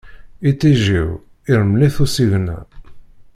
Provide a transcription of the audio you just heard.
Iṭij-iw, iṛmel-it usigna.